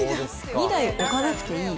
２台置かなくていい。